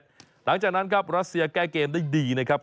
หลังจากนั้นครับรัสเซียแก้เกมได้ดีนะครับ